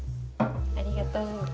ありがとう。